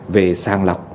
về sàng lọc